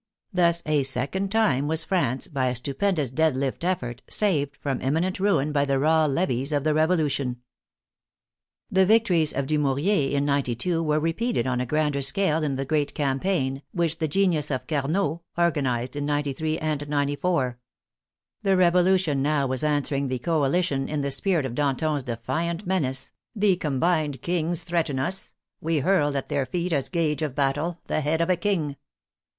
Thus a second time was France, by a stupendous dead lift effort, saved from imminent ruin by the raw levies of the Revolution. The victories of Dumouriez in '92 were repeated on a grander scale in the great campaign, which the genius of Carnot " organized " in '93 and '94. The Revolution now was answering the coalition in the spirit of Damon's defiant menace " the combined kings threaten us, we hurl at their feet as gage of battle the head of a king."